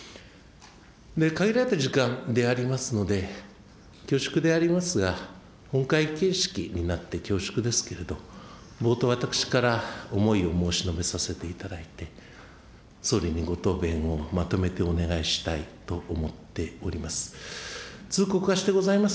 限られた時間でありますので、恐縮でありますが、本会形式になって恐縮ですけれど、冒頭、私から思いを申し述べさせていただいて、総理にご答弁をまとめてお願いしたいと思っております。